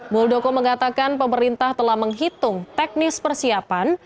muldoko mengatakan pemerintah telah menghitung teknis persiapan